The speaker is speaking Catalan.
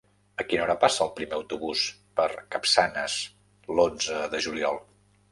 A quina hora passa el primer autobús per Capçanes l'onze de juliol?